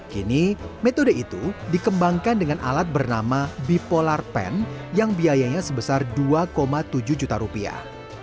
kini metode itu dikembangkan dengan alat bernama bipolar pen yang biayanya sebesar dua tujuh juta rupiah